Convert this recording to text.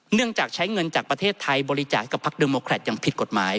เนื่องจากใช้เงินจากประเทศไทยบริจาคกับพลักษณ์เดมกรัฐอย่างผิดกฎหมาย